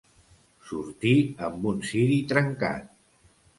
Sortir amb un ciri trencat.